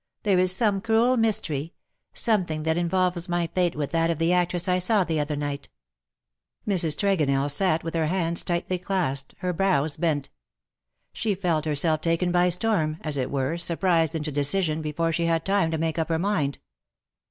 There is some cruel mystery — something that involves my fate with that of the actress I saw the other night." Mrs. Tregonell sat with her hands tightly clasped, her brows bent. She felt herself taken by storm, as it were, surprised into decision before she had time to make up her mind.